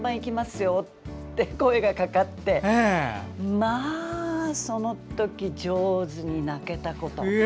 よって声がかかってまあ、そのとき上手に泣けたこと。